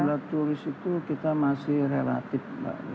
jumlah turis itu kita masih relatif mbak desy